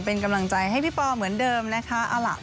เป็นกำลังใจให้พี่ปอเหมือนเดิมนะคะ